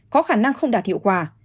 có khả năng không đạt hiệu quả